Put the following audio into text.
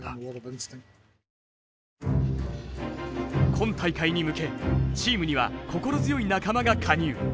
今大会に向けチームには心強い仲間が加入。